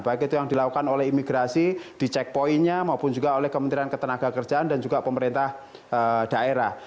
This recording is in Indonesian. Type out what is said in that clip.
baik itu yang dilakukan oleh imigrasi di checkpointnya maupun juga oleh kementerian ketenaga kerjaan dan juga pemerintah daerah